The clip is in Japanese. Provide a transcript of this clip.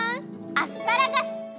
アスパラガス！